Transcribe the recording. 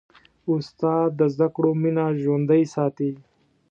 استاد د زدهکړو مینه ژوندۍ ساتي.